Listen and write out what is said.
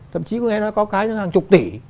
thậm chí có cái hàng chục tỷ